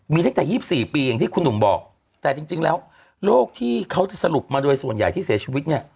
มีตั้งแต่๒๔ปีอย่างที่คุณหนุ่มบอกแต่จริงแล้วโรคที่เขาจะสรุปมาโดยส่วนใหญ่ที่เสียชีวิตเนี่ย